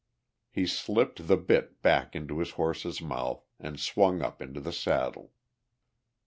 He slipped the bit back into his horse's mouth and swung up into the saddle.